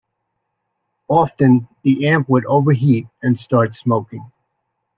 Often, the amp would overheat and start smoking.